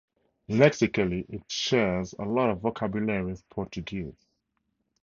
Lexically, it shares a lot of vocabulary with Portuguese.